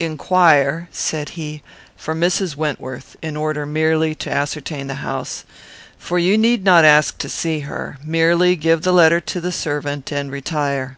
"Inquire," said he, "for Mrs. Wentworth, in order merely to ascertain the house, for you need not ask to see her; merely give the letter to the servant and retire.